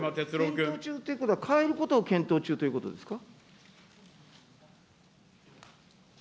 検討中ということは、変えることを検討中ということですか。